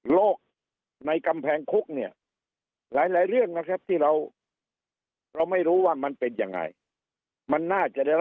โลกในกำแพงคุกเนี่ยหลายเรื่องนะครับที่เราไม่รู้ว่ามันเป็นยังไง